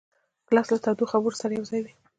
ګیلاس له تودو خبرو سره یوځای وي.